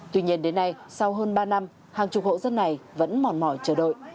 tuy nhiên đến nay sau hơn ba năm hàng chục hộ dân này vẫn mòn mỏi chờ đợi